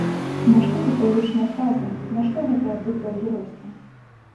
Нашто гэтыя гучныя фразы, нашто гэтае дутае геройства?